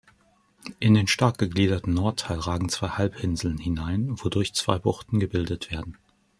In den stark gegliederten Nordteil ragen zwei Halbinseln hinein, wodurch zwei Buchten gebildet werden.